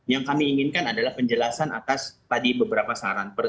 yang kami inginkan adalah penjelasan atas tadi beberapa saran